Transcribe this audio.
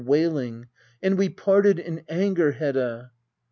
[Wailing,] And we parted in anger^ Hedda